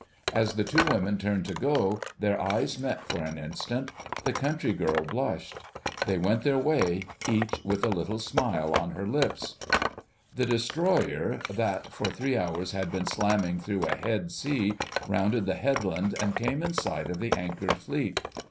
As the two women turned to go, their eyes met for an instant: the country girl blushed. They went their way, each with a little smile on her lips. The Destroyer, that for three hours had been slamming through a head sea, rounded the headland and came in sight of the anchored Fleet.